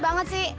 yang ada tuh